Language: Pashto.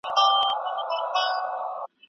د انار ګل مشاعره کله او چېرته جوړېږي؟